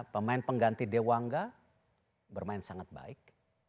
pemain pengganti dewanga bermain sangat baik